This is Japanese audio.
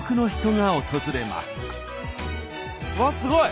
うわっすごい！